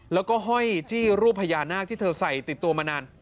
แล้วก็ห้อยจี้รูปพญานาคที่เธอใส่ติดตัวมานาน